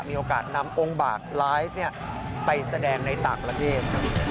มีโอกาสนำองค์บากไลฟ์ไปแสดงในต่างประเทศ